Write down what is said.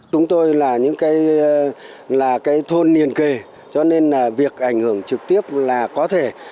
chúng tôi là cái thôn niền kề cho nên việc ảnh hưởng trực tiếp là có thể